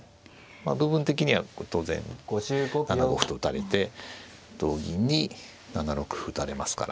部分的には当然７五歩と打たれて同銀に７六歩打たれますから。